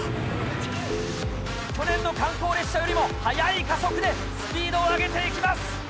去年の観光列車よりも早い加速でスピードを上げていきます。